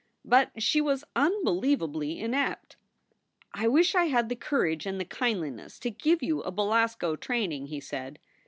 But she was unbelievably inept. "I wish I had the courage and the kindliness to give you a Belasco training," he said.